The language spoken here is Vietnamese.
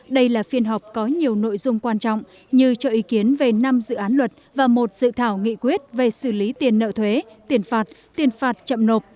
đây là phiên họp có nhiều nội dung quan trọng như cho ý kiến về năm dự án luật và một dự thảo nghị quyết về xử lý tiền nợ thuế tiền phạt tiền phạt chậm nộp